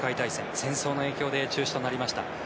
戦争の影響で中止となりました。